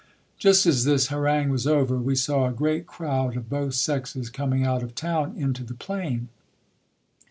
Just as this harangue was over, we saw a great crowd of both sexes coming out of town into the plain.